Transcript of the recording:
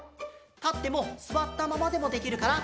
たってもすわったままでもできるから。